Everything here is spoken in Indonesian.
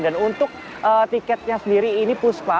dan untuk tiketnya sendiri ini puspa